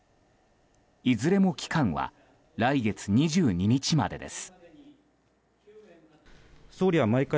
いずれも期間は来月２２日までです。